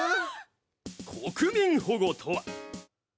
国民保護とは。